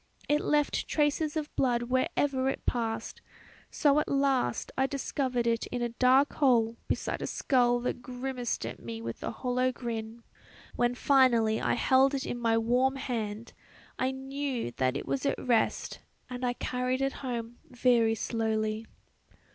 It left traces of blood wherever it passed, so at last I discovered it in a dark hole beside a skull that grimaced at me with a hollow grin: when finally I held it in my warm hand I knew that it was at rest, and I carried it home very slowly.